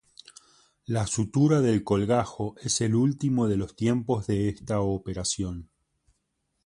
La sutura del colgajo es el último de los tiempos de esta operación.